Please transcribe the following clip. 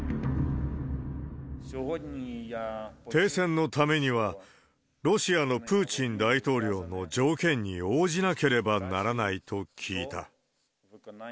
停戦のためには、ロシアのプーチン大統領の条件に応じなければならないと聞いた。